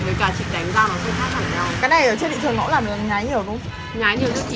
với cả chị tranh lá vạch với cả chị đánh da nó sẽ khác nhau